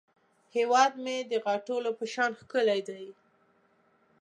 هیواد مې د غاټولو په شان ښکلی دی